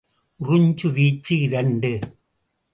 உறிஞ்சு வீச்சு இரண்டு.